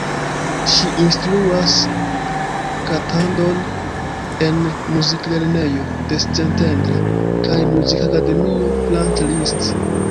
Ŝi instruas kantadon en muziklernejo de Szentendre kaj Muzikakademio Franz Liszt.